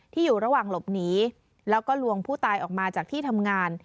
อยู่ระหว่างหลบหนีแล้วก็ลวงผู้ตายออกมาจากที่ทำงาน